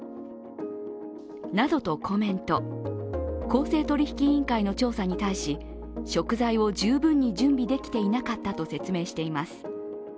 公正取引委員会の調査に対し、食材を十分に準備できていなかったと説明しています。